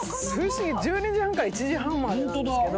１２時半から１時半までなんですけど。